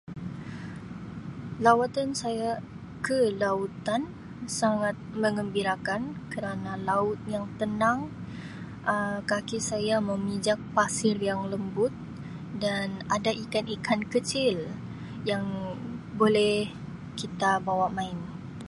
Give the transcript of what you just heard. Lawatan saya ke lautan sangat menggembirakan kerana laut yang tenang Um kaki saya memijak pasir yang lembut dan ada ikan-ikan kecil yang boleh kita bawa main.